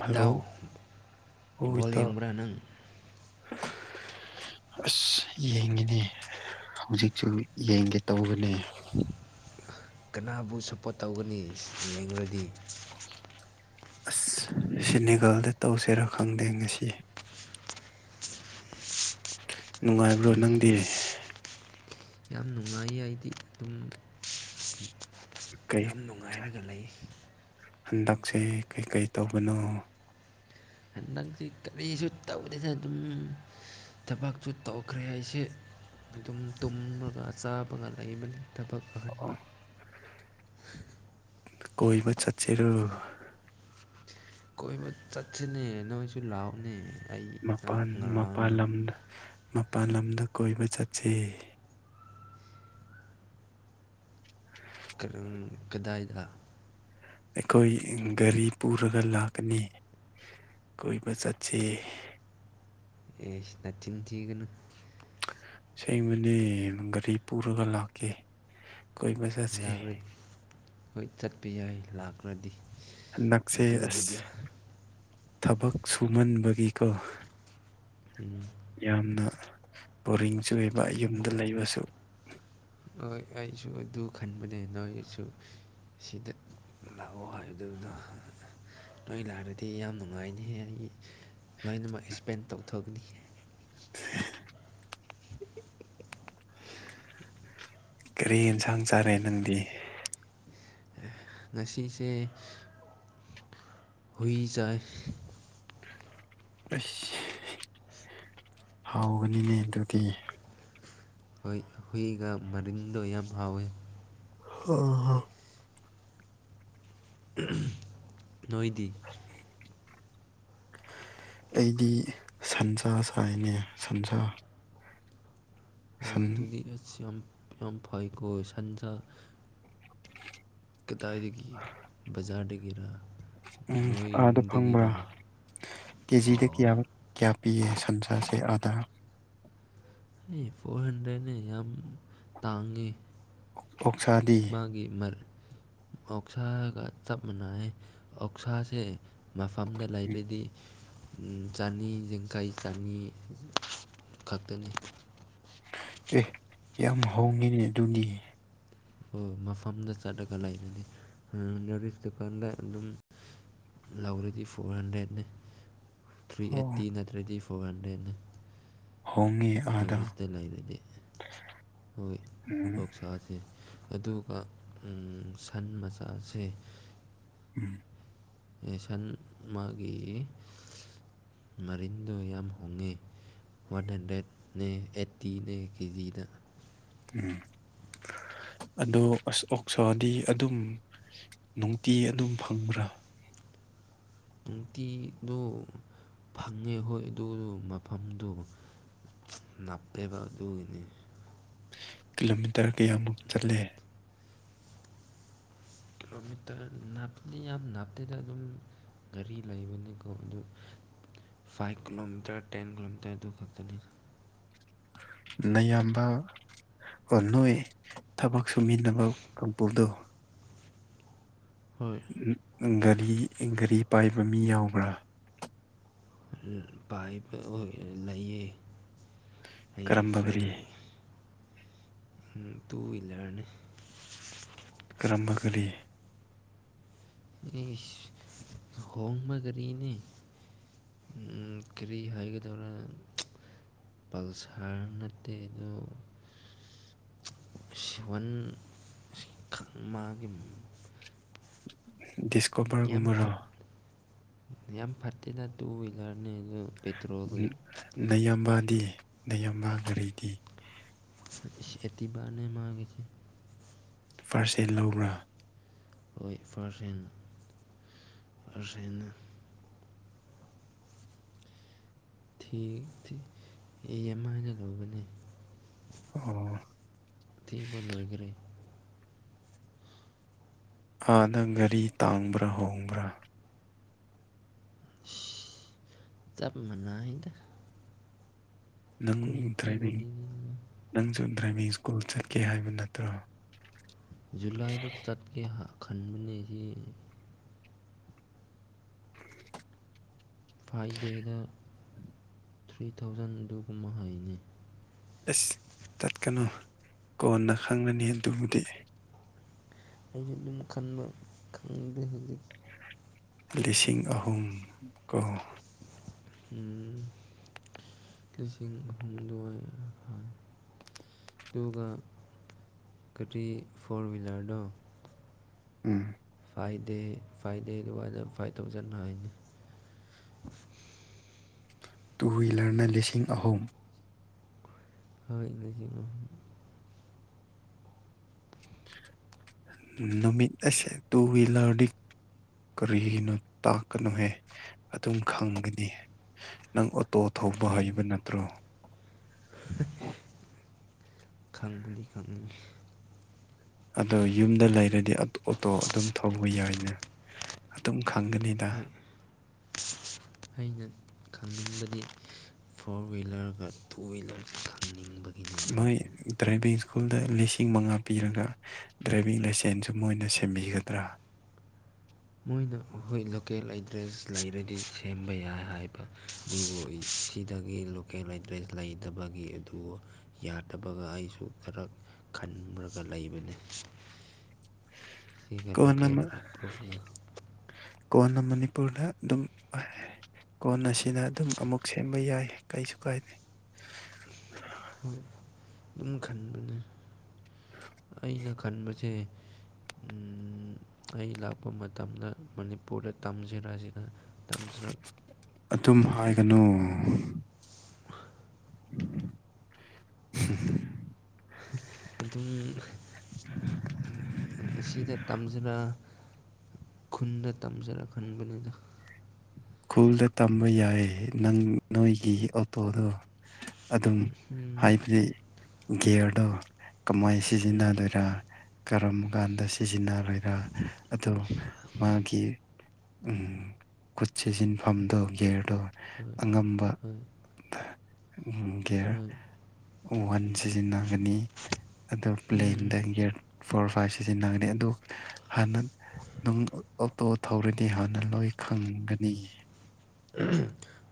ꯏꯇꯥꯎ ꯑꯣ ꯕꯣꯜ ꯏꯇꯥꯎ ꯌꯦꯡꯕ꯭ꯔꯥ ꯅꯪ [unintelligible] ꯑꯁ ꯌꯦꯡꯉꯤꯅꯦ ꯍꯧꯖꯤꯛꯁꯨ ꯌꯦꯡꯒꯦ ꯇꯧꯕꯅꯦ ꯀꯅꯥꯕꯨ ꯁꯞꯄꯣꯔꯠ ꯇꯧꯒꯅꯤ ꯌꯦꯡꯔꯗꯤ ꯑꯁ ꯁꯤ ꯅꯤꯒꯥꯜꯗ ꯇꯧꯁꯦꯔꯥ ꯈꯪꯗꯦ ꯉꯁꯤ ꯅꯨꯡꯉꯥꯏꯕ꯭ꯔꯣ ꯑꯩ ꯅꯪꯗꯤ ꯌꯥꯝ ꯅꯨꯡꯉꯥꯏ ꯑꯩꯗꯤ ꯑꯗꯨꯝ ꯀꯩ ꯌꯥꯝ ꯅꯨꯡꯉꯥꯏꯔꯒ ꯂꯩ ꯍꯟꯗꯛꯁꯦ ꯀꯩꯀꯩ ꯇꯧꯕꯅꯣ ꯍꯟꯗꯛꯁꯤ ꯀꯔꯤꯁꯨ ꯇꯧꯗꯦꯗ ꯑꯗꯨꯝ ꯊꯕꯛꯁꯨꯨ ꯇꯧꯈ꯭ꯔꯦ ꯑꯩꯁꯦ ꯑꯗꯨꯝ ꯇꯨꯝꯃꯒ ꯆꯥꯕꯒ ꯂꯩꯕꯅꯤ ꯊꯕꯛ ꯑꯍꯟꯕ ꯀꯣꯏꯕ ꯆꯠꯆꯦꯔꯣ ꯀꯣꯏꯕ ꯆꯠꯁꯤꯅꯦ ꯅꯣꯏꯁꯨ ꯂꯥꯎꯅꯦ ꯃꯄꯥꯟ ꯃꯄꯥꯜ ꯂꯝꯗ ꯃꯄꯥꯜ ꯂꯝꯗ ꯀꯣꯏꯕ ꯆꯠꯁꯤ [unintelligible] ꯀꯗꯥꯏꯗ ꯑꯩꯈꯣꯏ ꯒꯥꯔꯤ ꯄꯨꯔꯒ ꯂꯥꯛꯀꯅꯤ ꯀꯣꯏꯕ ꯆꯠꯁꯦ ꯏꯁ ꯅꯆꯤꯟ ꯊꯤꯒꯅꯨ ꯁꯦꯡꯕꯅꯦ ꯒꯥꯔꯤ ꯄꯨꯔꯒ ꯂꯥꯛꯀꯦ ꯀꯣꯏꯕ ꯆꯠꯁꯦ ꯂꯥꯛꯔꯗꯤ ꯍꯣꯏ ꯆꯠꯄ ꯌꯥꯏ ꯂꯥꯛꯈ꯭ꯔꯗꯤ ꯍꯟꯗꯛꯁꯦ ꯑꯁ ꯊꯕꯛ ꯁꯨꯃꯟꯕꯒꯤꯀꯣ [unintelligible] ꯌꯥꯝꯅ ꯕꯣꯔꯤꯡꯆꯨꯏ ꯑꯥꯕ ꯌꯨꯝꯗ ꯂꯩꯕꯁꯨ ꯍꯣꯏ ꯑꯩꯁꯨ ꯑꯗꯨ ꯈꯟꯕꯅꯦ ꯅꯣꯏꯁꯨ ꯁꯤꯗ ꯂꯥꯛꯑꯣ ꯍꯥꯏꯕꯗꯨꯗ ꯅꫭꯏ ꯂꯥꯛꯔꯗꯤ ꯌꯥꯝ ꯅꯨꯡꯉꯥꯏꯅꯤꯍꯦ ꯑꯩ ꯂꯣꯏꯅꯃꯛ ꯏꯁꯄꯦꯟ ꯇꯧꯊꯣꯛꯒꯅꯤ [inaudible] [unintelligible] ꯀꯔꯤ ꯌꯦꯟꯁꯥꯡ ꯆꯥꯔꯦ ꯅꯪꯗꯤ ꯉꯁꯤꯁꯦ ꯍꯨꯏ ꯆꯥꯏ ꯑꯁ ꯍꯥꯎꯒꯅꯤꯅꯦ ꯑꯗꯨꯗꯤ ꯍꯣꯏ ꯍꯨꯏꯒꯥ ꯃꯔꯤꯟꯗꯣ ꯌꯥꯝ ꯍꯥꯎꯋꯤ ꯑꫭ [unintelligible] ꯍꫭ ꯅꯣꯏꯗꯤ ꯑꯩꯗꯤ ꯁꯟꯖꯥ ꯆꯥꯏꯅꯦ ꯁꯟꯁꯥ ꯍꯣꯏ ꯁꯟ ꯑꯗꯨꯗꯤ ꯑꯁ ꯌꯥꯝ ꯌꯥꯝ ꯐꯩꯀꫭ ꯁꯥꯟꯖꯥ ꯀꯇꯥꯏꯗꯒꯤ ꯕꯖꯥꯔꯗꯒꯤꯔꯥ ꯎꯝ ꯑꯥꯗ ꯐꯪꯕ꯭ꯔꯥ ꯀꯦꯖꯤꯗ ꯑꯣ ꯀꯌꯥꯃꯨꯛ ꯀꯌꯥ ꯄꯤꯌꯦ ꯁꯟꯁꯥꯁꯦ ꯑꯥꯗꯥ ꯑꯦ ꯐꯣꯔ ꯍꯟꯗ꯭ꯔꯦꯗꯅꯦ ꯌꯥꯝ ꯇꯥꯡꯉꯤ ꯑꯣꯛꯁꯥꯗꯤ ꯒꯤ ꯃꯔ ꯑꯣꯛꯁꯥ ꯒꯥ ꯆꯞ ꯃꯅꯥꯏ ꯑꯣꯛꯁꯥꯁꯤ ꯃꯐꯝꯗ ꯂꯩꯔꯗꯤ ꯆꯅꯤ ꯌꯥꯡꯈꯩ ꯆꯅꯤ ꯈꯛꯇꯅꯤ ꯑꯦ ꯌꯥꯝ ꯍꯣꯡꯉꯤꯅꯦ ꯑꯗꯨꯒꯤ ꯑꯣ ꯃꯐꯝꯗ ꯆꯠꯂꯒ ꯂꯩꯥꯏꯅꯗꯤ ꯅꯣꯔꯤꯁ ꯗꯨꯀꯥꯟꯗ ꯑꯗꯨꯝ ꯂꯧꯔꯗꯤ ꯐꯣꯔ ꯍꯟꯗ꯭ꯔꯦꯠꯅꯦ ꯊ꯭ꯔꯤ ꯑꯣ ꯑꯦꯠꯇꯤ ꯅꯠꯇ꯭ꯔꯗꯤ ꯐꯣꯔ ꯍꯟꯗ꯭ꯔꯦꯠꯅꯦ ꯍꯣꯡꯉꯤ ꯅꯣꯔ ꯑꯥꯗ ꯏꯁꯇꯥ ꯂꯩꯕꯗꯤ ꯍꯣꯏ ꯎꯝ ꯑꫭꯛꯁꯥꯁꯦ ꯑꯗꯨꯒ ꯁꯟ ꯃꯆꯥꯁꯦ ꯎꯝ ꯁꯟ ꯃꯥꯒꯤ ꯃꯔꯤꯟꯗꯣ ꯌꯥꯝ ꯍꯣꯡꯉꯤ ꯋꯥꯟ ꯍꯟꯗ꯭ꯔꯦꯠꯅꯦ ꯑꯩꯠꯇꯤꯅꯦ ꯀꯦꯖꯤꯗ ꯎꯝ ꯑꯗꯣ ꯑꯁ ꯑꯣꯛꯁꯣꯗꯤ ꯑꯗꯨꯝ ꯅꯨꯡꯇꯤ ꯑꯗꯨꯝ ꯐꯪꯕ꯭ꯔꯥ ꯅꯨꯡꯇꯤꯗꯣ ꯐꯪꯉꯦ ꯍꯣꯏ ꯑꯗꯨ ꯃꯐꯝꯗꯨ ꯅꯛꯇꯦꯕ ꯑꯗꯨꯒꯤꯅꯤ ꯀꯤꯂꯣꯃꯤꯇꯔ ꯀꯌꯥꯃꯨꯛ ꯆꯠꯂꯦ ꯀꯤꯂꯣꯃꯤꯇꯔ ꯅꯥꯞꯂꯤ ꯌꯥꯝ ꯅꯥꯞꯇꯦꯗ ꯑꯗꯨꯝ ꯒꯥꯔꯤ ꯂꯩꯕꯅꯤꯀꯣ ꯑꯗꯨ ꯐꯥꯏꯚ ꯀꯤꯂꯣꯃꯤꯇꯔ ꯇꯦꯟ ꯀꯤꯂꯣꯃꯤꯇꯔ ꯑꯗꯨ ꯈꯛꯇꯅꯤ ꯅꯌꯥꯝꯕ ꯑꯣ ꯅꯣꯏ ꯊꯕꯛ ꯁꯨꯃꯤꯟꯅꯕ ꯀꯥꯡꯄꯨꯗꯣ ꯍꯣꯏ ꯒꯥꯔꯤ ꯒꯥꯔꯤ ꯄꯥꯏꯕ ꯃꯤ ꯌꯥꯎꯕ꯭ꯔꯥ ꯄꯥꯏꯕ ꯂꯩꯌꯦ ꯑꯩꯒꯤ ꯀꯔꯝꯕ ꯐ꯭ꯔꯦꯟ ꯒꯥꯔꯤ ꯂꯩꯌꯦ ꯇꯨ ꯋꯤꯂꯔꯅꯤ ꯀꯔꯝꯕ ꯒꯥꫪꯤ ꯍꯣꯝꯕꯒꯔꯤꯅꯦ ꯎꯝ ꯀꯔꯤ ꯍꯥꯏꯒꯗꯧꯔꯥ ꯄꯜꯁꯔ ꯅꯠꯇꯦꯗꯣ ꯁꯤꯍꯟ ꯈꯪ ꯃꯥꯒꯤ [unintelligible] ꯌꯥꯝ ꯌꯥꯝ ꯐꯠꯇꯦꯅ ꯇꯨ ꯍ꯭ꯋꯤꯂꯔꯅꯤ ꯑꯗꯨ ꯄꯦꯇ꯭ꯔꯣꯜꯒꯤ ꯅꯌꯥꯝꯕꯗꯤ ꯅꯌꯥꯝꯕ ꯒꯥꯔꯤꯗꯤ ꯑꯦꯦꯇꯕꯕꯥꯅꯦ ꯃꯉꯒꯦꯁ ꯄꯥꯔꯁ ꯑꯦꯠ ꯂꯧꯕ꯭ꯔꯥ ꯍꯣꯏ ꯄꯥꯔꯁꯦꯟꯅ ꯄꯥꯔꯁꯦꯟꯅ ꯊ ꯑꯦ ꯑꯃꯥꯏꯅ ꯂꯧꯕꯅꯦ ꯑꯣ ꯊꯤꯕ ꯂꯣꯏꯈ꯭ꯔꯦ ꯑꯥꯟꯅ ꯒꯥꯔꯤ ꯇꯥꯡꯕ꯭ꯔꯥ ꯍꯣꯡꯕ꯭ꯔꯥ ꯇꯞ ꯃꯅꯥꯏꯗ ꯅꯪ ꯗ꯭ꯔꯥꯏꯚꯤꯡ ꯀ꯭ꯋꯥꯂꯤꯇꯤꯅ ꯅꯪꯁꯨ ꯗ꯭ꯔꯥꯏꯚꯤꯡ ꯁ꯭ꯀꯨꯜ ꯆꯠꯀꯦ ꯍꯥꯏꯕ ꯅꯠꯇ꯭ꯔꯣ ꯖꯨꯂꯥꯏꯗ ꯆꯠꯀꯦ ꯈꯟꯕꯅꯦ ꯁꯤ ꯐꯥꯏꯚ ꯗꯦꯗ ꯊ꯭ꯔꯤ ꯊꯥꯎꯖꯟ ꯑꯗꯨꯒꯨꯝꯕ ꯍꯩꯅꯤ ꯑꯦꯁ ꯆꯠꯀꯅꯨ ꯀꯣꯟꯅ ꯈꯪꯉꯅꯤ ꯑꯗꯨꯕꯨꯗꯤ ꯑꯩꯁꯨ ꯑꯗꯨꯝ ꯈꯟꯕ ꯈꯪꯗꯦ ꯍꯧꯛ ꯂꯤꯁꯤꯡ ꯑꯍꯨꯝ ꯀꯣ ꯎꯝ ꯂꯤꯁꯤꯡ ꯍꯨꯝꯗꯣꯏ ꯑꯗꯨꯒ ꯀꯔꯤ ꯐꯣꯔ ꯭ꯋꯤꯂꯔꯗꯣ ꯎꯝ ꯐꯥꯏꯚ ꯗꯦ ꯐꯥꯏꯚ ꯗꯦ ꯑꯗꯨ ꯋꯥꯗ ꯐꯥꯏꯚ ꯊꯥꯎꯖꯟ ꯅꯥꯅꯤ ꯇꯨ ꯍꯋꯤꯂꯔꯅ ꯂꯤꯁꯤꯡ ꯑꯍꯨꯝ ꯍꯣꯏ [unintelligible] [inaudible] ꯅꯨꯃꯤꯠ ꯑꯁꯦ ꯇꯨ ꯋꯤꯂꯔꯗꯤ ꯀꯔꯤꯒꯤꯅꯣ ꯇꯥꯛꯀꯅꯣꯍꯦ ꯑꯗꯨꯝ ꯈꯪꯒꯅꯤ ꯅꯪ ꯇꯣ ꯊꯧꯕ ꯍꯩꯕ ꯅꯠꯇ꯭ꯔꯣ ꯈꯪꯕꯗꯤ ꯈꯪꯅꯤꯡꯉꯤ ꯑꯗꯣ ꯌꯨꯝꯗ ꯂꯩꯔꯗꯤ ꯑꯣꯇꯣ ꯑꯗꯨꯝ ꯊꯧꯕ ꯌꯥꯏꯅꯦ ꯑꯗꯨꯝ ꯈꯪꯒꯅꯤꯅ ꯍꯣꯏ ꯑꯩꯅ ꯈꯪꯅꯤꯡꯕꯗꯤ ꯐꯣꯔ ꯍꯋꯤꯂꯔꯒ ꯇꯨ ꯍꯋꯤꯂꯔꯒ ꯈꯪꯅꯤꯡꯕ ꯃꯣꯏ ꯗ꯭ꯔꯥꯏꯚꯤꯡ ꯁ꯭ꯀꯨꯜꯗ ꯂꯤꯁꯤꯡ ꯃꯉꯥ ꯄꯤꯔꯒ ꯗ꯭ꯔꯥꯏꯚꯤꯡ ꯂꯥꯏꯁꯦꯟꯁꯁꯨ ꯃꯣꯏꯅ ꯁꯦꯝꯕꯤꯒꯗ꯭ꯔꯥ ꯃꯣꯏꯅ ꯑꯩꯈꯣꯏ ꯂꯣꯀꯦꯜ ꯑꯦꯗ꯭ꯔꯦꯁ ꯂꯩꯔꯗꯤ ꯁꯦꯝꯕ ꯌꯥꯏ ꯍꯥꯏꯕ ꯑꯗꯨꯕꯨ ꯁꯤꯗꯒꯤ ꯂꯣꯀꯦꯜ ꯑꯦꯟꯗ꯭ꯔꯦꯁ ꯂꯩꯇꯕꯒꯤ ꯑꯗꯨ ꯌꯥꯗꯕꯒ ꯑꯩꯁꯨ ꯈꯔ ꯈꯟ꯭ꯔꯒ ꯂꯩꯕꯅꯤ ꯀꯣꯟꯅ ꯃ- [unintelligible] ꯀꯣꯟꯅ ꯃꯅꯤꯄꯨꯔꯗ ꯑꯗꯨꯝ ꯀꯣꯟ ꯑꯁꯤꯅ ꯑꯗꯨꯝ ꯑꯃꯨꯛ ꯁꯦꯝꯕ ꯌꯥꯏ ꯀꯩꯁꯨ ꯀꯥꯏꯗꯦ ꯍꯣꯏ ꯑꯗꯨꯝ ꯈꯟꯕꯅꯦ ꯑꯩꯅ ꯈꯟꯕꯁꯦ ꯎꯝ ꯑꯩ ꯂꯥꯛꯄ ꯃꯇꯝꯗ ꯃꯅꯤꯄꯨꯔꯗ ꯇꯝꯁꯤꯔꯁꯤꯅ [unintelligible] ꯑꯗꯨꯝ ꯍꯥꯏꯒꯅꯨ [unintelligible] [unintelligible] ꯑꯗꯨꯝ ꯑꯁꯤꯗ ꯇꯝꯖꯔ ꯈꯨꯟꯗ ꯇꯝꯖꯦꯔ ꯈꯟꯕꯅꯤꯗ ꯈꯨꯜꯗ ꯇꯝꯕ ꯌꯥꯏ ꯅꯪ ꯅꯣꯏꯒꯤ ꯑꯣꯇꯣꯗꯣ ꯑꯗꯨꯝ ꯍꯥꯏꯕꯗꯤ ꯒꯤꯌꯔꯗꯣ ꯀꯃꯥꯏ ꯁꯤꯖꯤꯟꯅꯗꯣꯏꯔꯥ ꯀꯔꯝ ꯀꯥꯟꯗ ꯁꯤꯖꯤꯟꯅꯔꯣꯏꯔꯥ ꯑꯗꯣ ꯃꯥꯒꯤ ꯎꯝ ꯈꯨꯠ ꯁꯤꯟꯐꯝꯗꯣ ꯒꯤꯌꯔꯗꯣ ꯍꯣꯏ ꯑꯉꯝꯕ ꯍꯣꯏ ꯒꯤꯌꯥꯔ ꯍꯣꯏ ꯋꯥꯟ ꯁꯤꯖꯤꯟꯅꯒꯅꯤ ꯑꯗꯨ ꯄꯂꯦꯟꯗ ꯒꯤꯌꯔ ꯐꯣꯔ ꯐꯥꯏꯚ ꯁꯤꯖꯤꯟꯅꯒꯅꯤ ꯑꯗꯨ ꯍꯥꯟꯅ ꯅꯪ ꯑꯣꯇꯣ ꯊꯧꯔꯗꯤ ꯍꯥꯟꯅ ꯂꯣꯏ ꯈꯪꯒꯅꯤ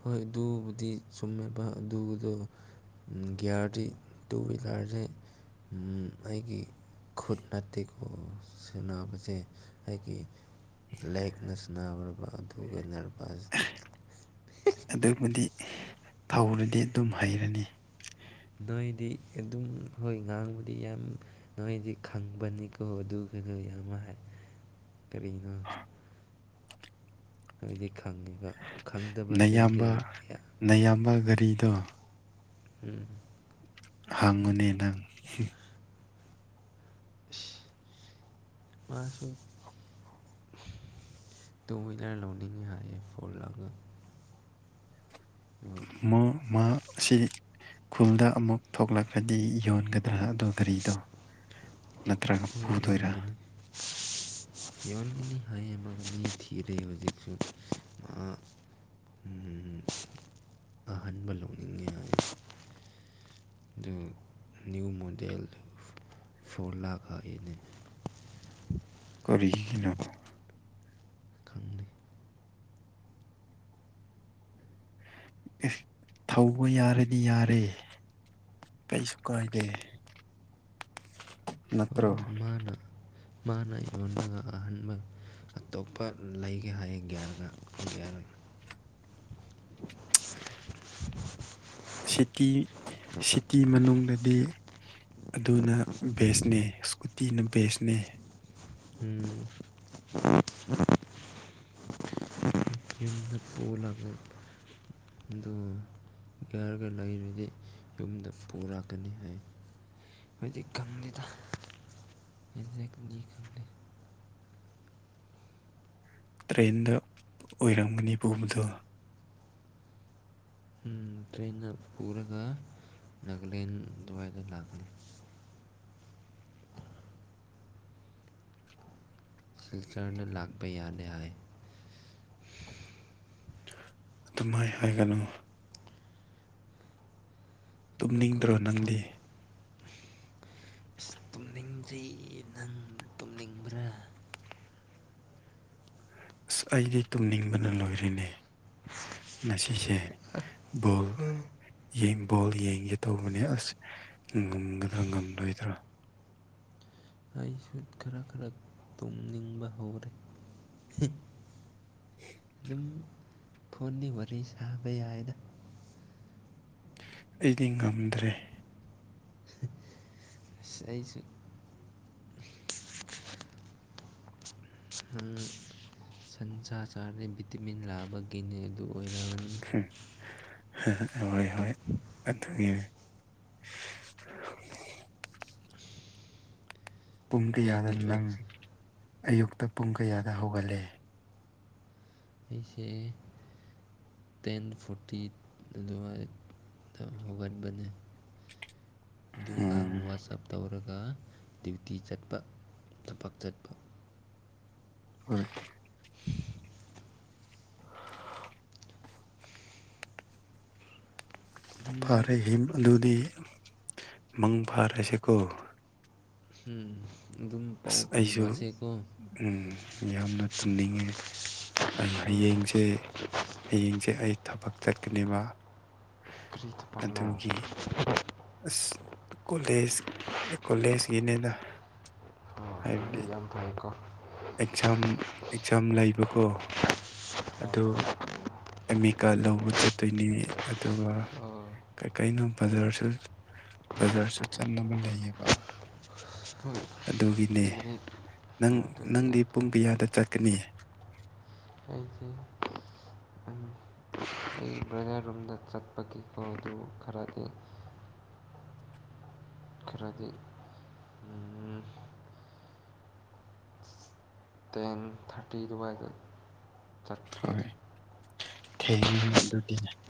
ꯍꯣꯏ ꯑꯗꯨꯕꯨꯗꯤ ꯆꯨꯝꯃꯦꯕ ꯑꯗꯨꯗꯣ ꯒꯤꯌꯥꯔꯗꯤ ꯇꯨ ꯋꯤꯂꯔꯁꯦ ꯑꯩꯒꯤ ꯈꯨꯠ ꯅꯠꯇꯦꯀꯣ ꯁꯟꯅꯕꯁꯦ ꯑꯩꯒꯤ ꯂꯦꯛꯅ ꯁꯅꯕꯥꯔꯕ [unintelligible] [unintelligible] [unintelligible] ꯑꯗꯨꯕꯨꯗꯤ ꯊꯧꯔꯗꯤ ꯑꯗꯨꯝ ꯍꯩꯔꯅꯤ ꯅꯣꯏꯗꯤ ꯑꯗꯨꯝ ꯍꯣꯏ ꯉꯥꯡꯕꯗꯤ ꯌꯥꯝ ꯅꯣꯏꯗꯤ ꯈꯪꯕꯅꯤꯀꯣ ꯑꯗꯨꯒꯗꯣ ꯌꯥꯝ ꯀꯔꯤꯅꯣ ꯅꯣꯏꯗꯤ ꯈꯪꯉꯤꯕ ꯈꯪꯗꯕꯁꯤꯡꯁꯦ ꯅꯌꯥꯝꯕ ꯅꯌꯥꯝꯕ ꯒꯥꯔꯤꯗꯣ ꯎꯝ ꯍꯪꯉꯨꯅꯦ ꯅꯪ ꯏꯁ ꯃꯁꯨ ꯇꯨ ꯋꯤꯂꯔ ꯂꯧꯅꯤꯡꯉꯦ ꯍꯥꯏꯌꯦ ꯐꯣꯔ ꯂꯒ ꯃꯣ ꯃꯥ ꯑꯁꯤ ꯈꯨꯜꯗ ꯑꯃꯨꯛ ꯊꯣꯛꯂꯛꯂꯥꯥꯗꯤ ꯌꯣꯟꯒꯗ꯭ꯔꯥ ꯑꯗꯣ ꯒꯥꯔꯤꯗꯣ ꯅꯠꯇ꯭ꯔꯒ ꯄꯨꯗꯣꯏꯔꯥ ꯌꯣꯟꯒꯅꯤ ꯌꯣꯟꯒꯅꯤ ꯍꯥꯏꯌꯦ ꯃꯥ ꯃꯤ ꯊꯤꯔꯦ ꯍꯧꯖꯤꯛꯁꯨ ꯑꯍꯟꯕ ꯂꯧꯅꯤꯡꯉꯦ ꯍꯥꯏ ꯑꯗꯨ ꯅ꯭ꯌꯨ ꯃꯣꯗꯦꯜ ꯐꯣꯔ ꯂꯥꯈ ꯍꯥꯏꯅꯦ ꯀꯔꯤꯒꯤꯅꯣ ꯈꯪꯗꯦ ꯑꯦ ꯊꯧꯕ ꯌꯥꯔꯗꯤ ꯌꯥꯔꯦ ꯀꯩꯁꯨ ꯀꯥꯏꯗꯦ ꯅꯠꯇ꯭ꯔꯣ ꯍꯣꯏ ꯃꯥꯅ ꯃꯥꯅ ꯌꯣꯟꯕꯒ ꯑꯍꯟꯕ ꯑꯇꯣꯞꯄ ꯂꯩꯒꯦ ꯍꯥꯏꯌꯦ ꯒꯔꯌꯥꯗ ꯁꯤꯇꯤ ꯁꯤꯇꯤ ꯃꯅꯨꯡꯗꯗꯤ ꯑꯗꯨꯅ ꯕꯦꯁꯅꯦ ꯁ꯭ꯀꯨꯇꯤꯅ ꯕꯦꯁꯅꯦ ꯎꯝ ꯅ ꯐꯣꯜꯒ ꯑꯗꯨ ꯔꯒ ꯂꯩꯔꯗꯤ ꯌꯨꯝꯗ ꯄꯨꯔꯛꯀꯅꯤ ꯍꯥꯏ ꯍꯧꯗꯤ ꯈꯪꯗꯦꯗꯗꯤ ꯈꯪꯗꯦ ꯇ꯭ꯔꯦꯟꯗ ꯑꯣꯏꯔꯝꯒꯅꯤ ꯄꯨꯕꯗꯣ ꯇ꯭ꯔꯦꯟꯅ ꯄꯨꯔꯒ ꯅꯥꯒꯥꯂꯦꯟ ꯗꯨꯋꯥꯏꯗ ꯂꯥꯛꯀꯅꯤ ꯁꯤꯜꯁꯇꯔꯅ ꯂꯥꯛꯄ ꯌꯥꯗꯦ ꯍꯥꯏ ꯑꯗꯨꯃꯍꯥꯏꯅ ꯍꯥꯏꯒꯅꯨ ꯑꯩꯈꯣꯏ ꯇꯨꯝꯅꯤꯡꯗ꯭ꯔꯣ ꯌꯨꯝꯐꯝ ꯅꯪꯗꯤ ꯑꯁ ꯇꯨꯝꯅꯤꯡꯗ꯭ꯔꯤ ꯅꯪ ꯇꯨꯝꯅꯤꯡꯕ꯭ꯔꯥ ꯑꯁ ꯑꯩꯗꯤ ꯇꯨꯝꯅꯤꯡꯕꯅ ꯂꯣꯏꯔꯤꯅꯦ ꯉꯁꯤꯁꯦ ꯕꯣꯜ ꯌꯦꯡꯕ ꯕꯣꯜ ꯌꯦꯡꯒꯦ ꯇꯧꯕꯅꯦ ꯑꯁ ꯉꯝꯒꯗ꯭ꯔꯥ ꯉꯝꯂꯣꯏꯗ꯭ꯔꯥ ꯑꯩꯁꯨ ꯈꯔ ꯈꯔ ꯇꯨꯝꯅꯤꯡꯕ ꯍꯧꯔꯦ ꯑꯗꯨꯝ ꯐꯣꯟꯗꯤ ꯋꯥꯔꯤ ꯁꯥꯕ ꯌꯥꯏꯅ ꯑꯩꯗꯤ ꯉꯝꯗ꯭ꯔꯦ ꯑꯁ ꯑꯩꯁꯨ ꯁꯟꯁꯥ ꯆꯥꯔꯗꯤ ꯚꯤꯇꯤꯃꯤꯟ ꯂꯥꯛꯕꯒꯤꯅꯤ ꯑꯗꯨ ꯑꯣꯏꯔꯕꯅꯤ ꯎ ꯍꯣꯏ ꯍꯣꯏ ꯑꯗꯨꯒꯤ ꯄꯨꯡ ꯀꯌꯥꯗ ꯑꯩꯗꯤ ꯅꯪ ꯑꯌꯨꯛꯇ ꯄꯨꯡ ꯀꯌꯥꯗ ꯍꯧꯒꯠꯂꯦ ꯑꯩꯁꯦ ꯇꯦꯟ ꯐꯣꯔꯇꯤ ꯑꯗꯨꯋꯥꯏ ꯍꯧꯒꯠꯕꯅꯦ ꯑꯗꯨꯒ ꯎꯝ ꯋꯥꯆꯑꯞ ꯇꯧꯔꯒ ꯗ꯭ꯌꯨꯇꯤ ꯆꯠꯄ ꯊꯕꯛ ꯆꯠꯄ ꯍꯣꯏ ꯑꯗꯨꯝ ꯐꯥꯔꯦ ꯍ ꯑꯗꯨꯗꯤ ꯃꯪ ꯐꯥꯔꯁꯤꯀꯣ ꯎꯝ ꯑꯗꯨꯝ ꯄꯥꯎ ꯑꯁ ꯑꯩꯁꯨ ꯐꯥꯎꯅꯁꯦꯀꯣ ꯎ ꯌꯥꯝꯅ ꯇꯨꯝꯅꯤꯡꯉꯦ ꯑꯩ ꯍꯌꯦꯡꯁꯦ ꯍꯌꯦꯡꯁꯦ ꯑꯩ ꯊꯕꯛ ꯆꯠꯀꯅꯦꯕ ꯀ꯭ꯔꯤ ꯊꯕꯛꯅꯣ ꯀꯂꯦ ꯀꯂꯦꯁꯀꯤꯅꯦꯗ ꯑꯣ ꯌꯥꯝ ꯐꯩꯀꫭ ꯑꯦꯛꯖꯥꯝ ꯑꯦꯛꯖꯥꯝ ꯂꯩꯕꯀꯣ ꯑꯣ ꯑꯦꯝ ꯑꯦ ꯀꯥꯔꯗ ꯂꯧꯕ ꯆꯠꯇꯣꯏꯅꯦ ꯑꯗꯨꯒ ꯑꯣ ꯀꯩꯀꯩꯅꯣ ꯕꯖꯥꯔꯁꯨ ꯕꯖꯥꯔꯁꯨ ꯆꯪꯅꯕ ꯂꯩꯌꯦꯕ ꯍꯣꯏ ꯑꯗꯨꯒꯤꯅꯦ ꯑꯗꯨꯗꯤ ꯅꯪ ꯑꯗꯨꯗꯤ ꯅꯪꯗꯤ ꯌꯥꯝ ꯐꯩ ꯄꯨꯡ ꯀꯌꯥꯗ ꯆꯠꯀꯅꯤ ꯑꯩꯗꯤ ꯎꯝ [unintelligible] ꯅ ꯆꯠꯄꯒꯤ ꯄꯥꯎꯗꯨ ꯈꯔꯗꯤ ꯈꯔꯗꯤ ꯇꯦꯟ ꯊꯥꯔꯇꯤ ꯑꯗꯨꯋꯥꯏꯗ ꯆꯠꯈꯤꯅꯤ ꯍꯣꯏ ꯊꯦꯡꯉꯦ ꯍꯌꯦ ꯑꯗꯨꯗꯤꯅꯦ